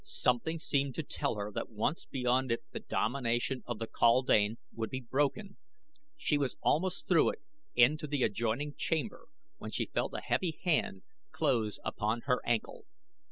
Something seemed to tell her that once beyond it the domination of the kaldane would be broken. She was almost through into the adjoining chamber when she felt a heavy hand close upon her ankle.